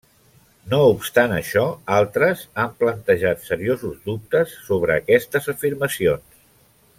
No obstant això, altres han plantejat seriosos dubtes sobre aquestes afirmacions.